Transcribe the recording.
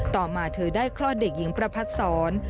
ต่อมาเธอได้คลอดเด็กหญิงประพัดศร